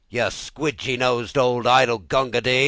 You squidgy nosed old idol, Gunga Din!"